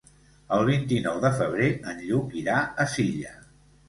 El vint-i-nou de febrer en Lluc irà a Silla.